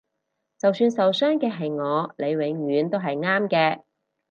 就算受傷嘅係我你都永遠係啱嘅